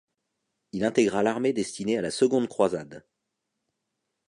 Il intégra l'armée destinée à la Seconde croisade.